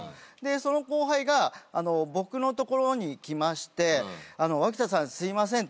その後輩が僕の所に来まして「脇田さんすいません」と。